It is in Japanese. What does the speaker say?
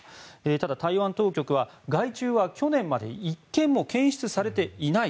ただ、台湾当局は害虫は去年まで１件も検出されていない。